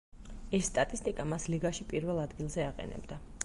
ეს სტატისტიკა მას ლიგაში პირველ ადგილზე აყენებდა.